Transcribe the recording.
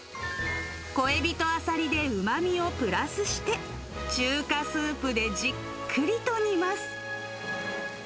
小エビとアサリでうまみをプラスして、中華スープでじっくりと煮ます。